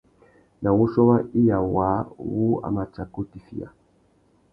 Na wuchiô wa iya waā wu a mà tsaka utifiya.